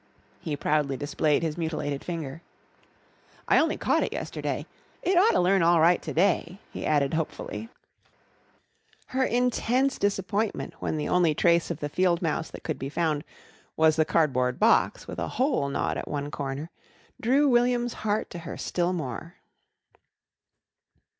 He proudly displayed his mutilated finger. "I only caught it yesterday. It oughter learn all right to day," he added hopefully. Her intense disappointment, when the only trace of the field mouse that could be found was the cardboard box with a hole gnawed at one corner, drew William's heart to her still more.